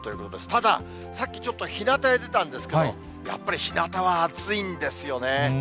ただ、さっきちょっとひなたへ出たんですけど、やっぱりひなたは暑いんですよね。